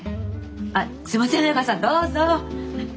あっすいません早川さんどうぞ！